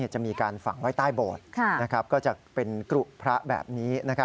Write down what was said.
จะมีการฝังไว้ใต้โบสถ์ก็จะเป็นกรุพระแบบนี้